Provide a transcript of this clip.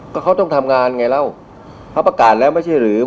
ก็เขาต้องทำงานไงแล้วเขาประกาศแล้วไม่ใช่หรือ